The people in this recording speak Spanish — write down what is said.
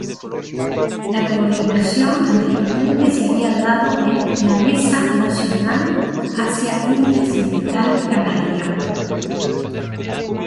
La coordinación anteriormente se había dado en la "Mesa Nacional hacia Intersindical Canaria.